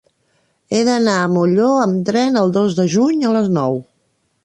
He d'anar a Molló amb tren el dos de juny a les nou.